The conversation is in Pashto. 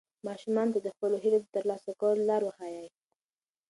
ماشومانو ته د خپلو هیلو د ترلاسه کولو لار وښایئ.